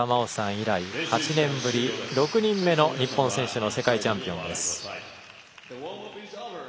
以来８年ぶり６人目の日本選手の世界チャンピオンです。